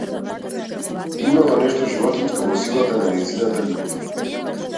Имало нешто животинско во силата на нејзината љубов.